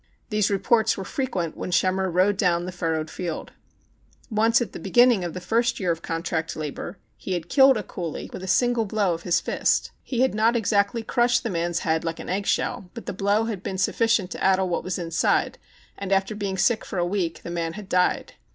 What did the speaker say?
These reports were frequent when Schemmer rode down the furrowed field. Once, at the beginning of the first year of contract labor, he had killed a coolie with a i62 THE CHINAGO single blow of his fist. He had not exactly crushed the man's head like an egg shell, but the blow had been sufficient to addle what was inside, and, after being sick for a week, the man had died.